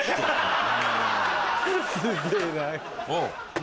すげぇな。